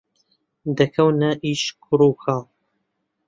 دەکەونە ئیش کوڕ و کاڵ